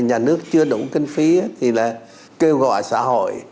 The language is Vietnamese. nhà nước chưa đủ kinh phí thì là kêu gọi xã hội